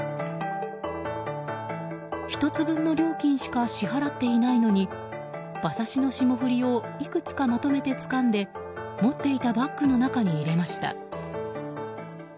１つ分の料金しか支払っていないのに馬刺しの霜降りをいくつかまとめてつかんで持っていたバッグの中に入れました。